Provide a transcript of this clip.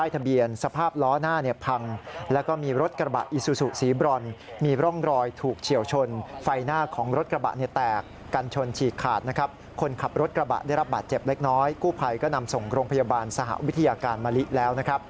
กระบาดเจ็บเล็กน้อยกู้ภัยก็นำส่งโรงพยาบาลสหวิทยาการมาลิแล้ว